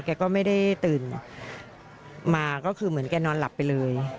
แกก็ไม่ได้ตื่นมาก็คือเหมือนแกนอนหลับไปเลย